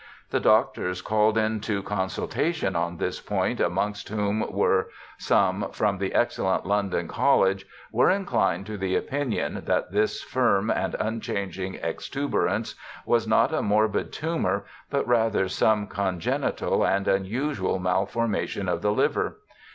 The doctors called into con JOHN LOCKE 83 sultation on this point, amongst whom were some from the excellent London college, were inclined to the opinion that this firm and unchanging extuberance was not a morbid tumour, but rather some congenital and unusual malformation of the liver.